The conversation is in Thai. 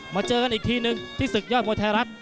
เจอกันอีกทีหนึ่งที่ศึกยอดมวยไทยรัฐ